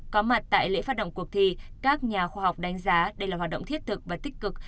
có mặt tại lễ phát động cuộc thi các nhà khoa học đánh giá đây là hoạt động thiết thực và tích cực